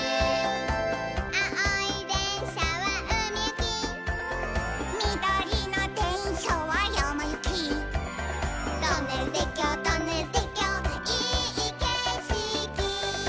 「あおいでんしゃはうみゆき」「みどりのでんしゃはやまゆき」「トンネルてっきょうトンネルてっきょういいけしき」